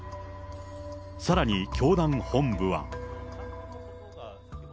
さらに教団本部は。